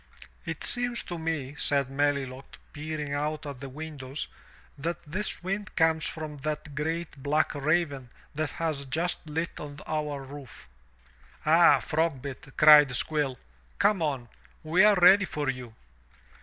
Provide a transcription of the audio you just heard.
*lt seems to me," said Melilot, peering out at the windows, that this wind comes from that great black raven that has just lit on our roof." "Ah, Frogbit," cried Squill, "come on! We are ready for you."